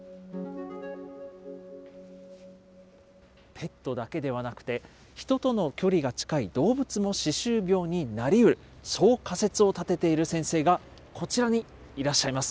ペットだけではなくて、人との距離が近い動物も歯周病になりうる、そう仮説を立てている先生がこちらにいらっしゃいます。